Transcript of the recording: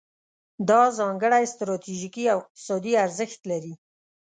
دا ځانګړی ستراتیژیکي او اقتصادي ارزښت لري.